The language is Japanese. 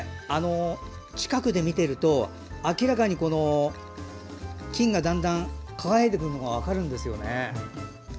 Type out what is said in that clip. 近くで見てると明らかに金がだんだん輝いてくるのが分かるんですよね。